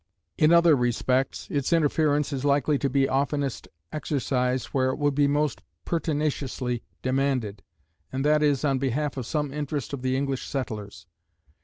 In other respects, its interference is likely to be oftenest exercised where it will be most pertinaciously demanded, and that is, on behalf of some interest of the English settlers.